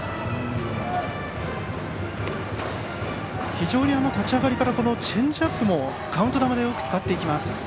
非常に立ち上がりからチェンジアップもカウント球で、よく使っています。